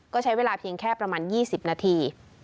ก็ใช้เวลาเพียงแค่ประมาณ๒๐นาที